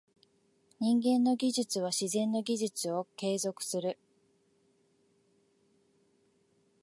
人間の技術は自然の技術を継続する。